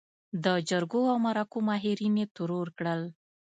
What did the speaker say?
د جرګو او مرکو ماهرين يې ترور کړل.